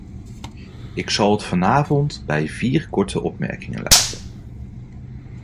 Ik zal het vanavond bij vier korte opmerkingen laten.